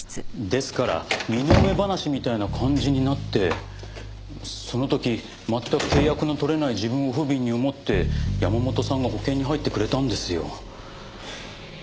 ですから身の上話みたいな感じになってその時全く契約の取れない自分を不憫に思って山本さんが保険に入ってくれたんですよ。